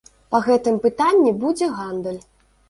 Па гэтым пытанні будзе гандаль.